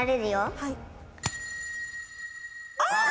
はい。